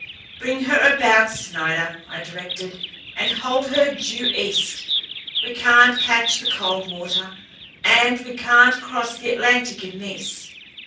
"Bring her about, Snider," I directed, "and hold her due east. We can't catch the Coldwater, and we can't cross the Atlantic in this.